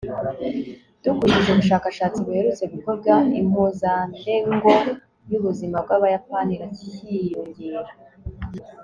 dukurikije ubushakashatsi buherutse gukorwa, impuzandengo y'ubuzima bw'abayapani iracyiyongera